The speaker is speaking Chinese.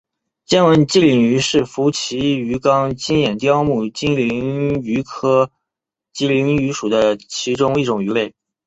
尖吻棘鳞鱼是辐鳍鱼纲金眼鲷目金鳞鱼科棘鳞鱼属的其中一种鱼类。